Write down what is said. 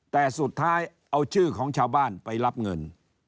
แต่สุดท้ายเอาชื่อของชาวบ้านไปรับเงิน